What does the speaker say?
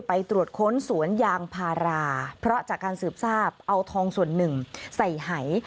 ไปตรวจค้นสวนยางพาราเพราะจากการสืบทราบเอาทองส่วนหนึ่งใส่หาย